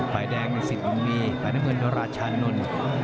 ไฟแดงสินกุมมีไฟแดงเมืองรัชชานุน